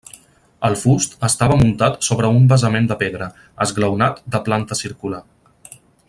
El fust estava muntat sobre un basament de pedra, esglaonat, de planta circular.